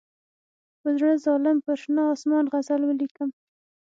په زړه ظالم پر شنه آسمان غزل ولیکم.